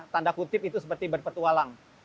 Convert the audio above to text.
tanda kutip itu seperti berpetualang